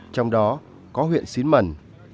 trong đó có huyện xí mần